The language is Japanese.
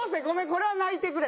これは泣いてくれ。